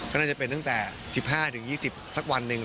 ก็น่าจะเป็นตั้งแต่๑๕๒๐สักวันหนึ่ง